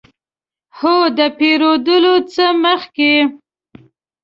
هو، د پیرودلو څخه مخکې